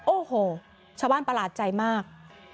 โอ้โหชาวบ้านประหลาดใจมาก